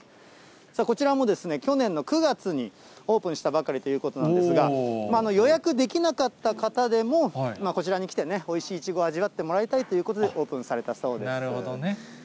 こちらも去年の９月にオープンしたばかりということなんですが、予約できなかった方でも、こちらに来てね、おいしいいちごを味わってもらいたいということで、オープンされたそうです。